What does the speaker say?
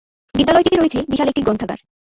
বিদ্যালয়টিতে রয়েছে বিশাল একটি গ্রন্থাগার।